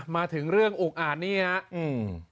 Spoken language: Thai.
มาถึงเรื่องอุกอ่านนี่ครับ